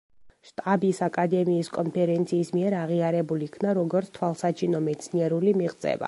შტაბის აკადემიის კონფერენციის მიერ აღიარებულ იქნა როგორც თვალსაჩინო მეცნიერული მიღწევა.